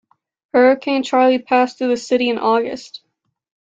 Hurricane Charley passed through the city in August.